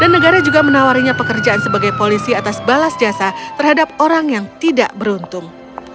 dan negara juga menawarinya pekerjaan sebagai polisi atas balas jasa terhadap orang yang tidak beruntung